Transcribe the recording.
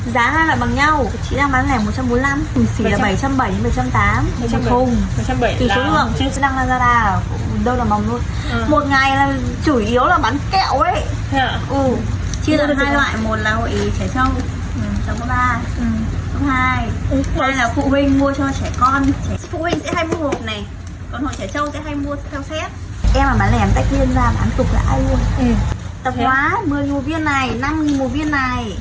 tại đây sản phẩm được bán lẻ với mức giá một trăm bốn mươi năm một hộp và bảy trăm bảy mươi đến bảy trăm linh